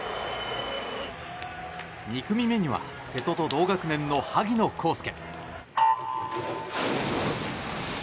２組目には瀬戸と同学年の萩野公介。